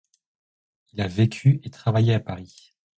Il a vécu et travaillé à Paris.